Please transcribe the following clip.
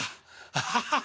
アハハハ。